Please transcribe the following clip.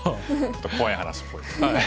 ちょっと怖い話っぽい。